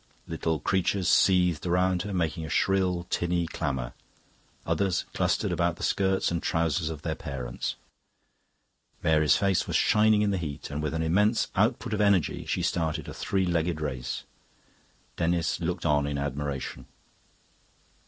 Little creatures seethed round about her, making a shrill, tinny clamour; others clustered about the skirts and trousers of their parents. Mary's face was shining in the heat; with an immense output of energy she started a three legged race. Denis looked on in admiration.